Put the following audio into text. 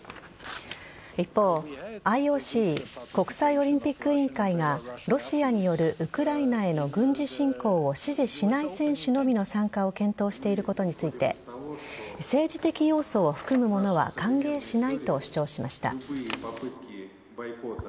一方ＩＯＣ＝国際オリンピック委員会がロシアによるウクライナへの軍事侵攻を支持しない選手のみの参加を検討していることについて政治的要素を含むものは歓迎しないと主張しました。